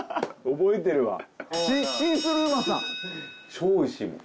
超おいしいもん。